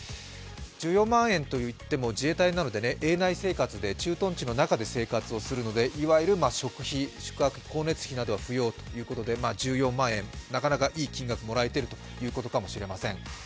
１４万円といっても自衛隊なので営内生活で駐屯地の中で生活をするのでいわゆる食費や光熱費は不要ということで１４万円、なかなかいい金額がもらえてるということかもしれません。